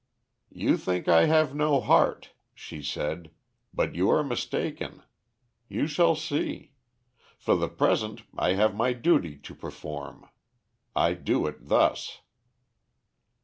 "'You think I have no heart,' she said, 'but you are mistaken. You shall see. For the present I have my duty to perform. I do it thus.'